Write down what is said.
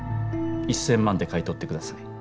１，０００万で買い取ってください。